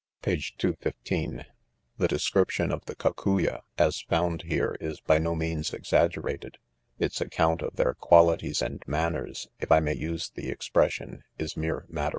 Page 215. . The description of the eoc.uya f as found here, is by no means exaggerated? its accourt of their qualities and manners, (if I may use the expression,) .is mere matter